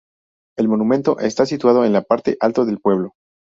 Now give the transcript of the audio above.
El monumento está situado en la parte alto del pueblo.